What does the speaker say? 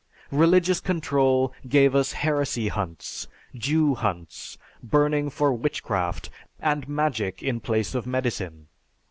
Religious control gave us heresy hunts, Jew hunts, burning for witchcraft, and magic in place of medicine.